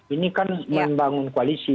ini kan membangun koalisi